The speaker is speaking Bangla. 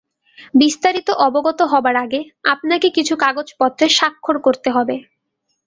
বিস্তারিত অবগত হবার আগে আপনাকে কিছু কাগজপত্রে স্বাক্ষর করতে হবে।